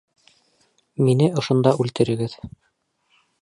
— Мине ошонда үлтерегеҙ!